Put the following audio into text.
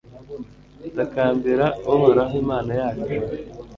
takambira uhoraho imana yacu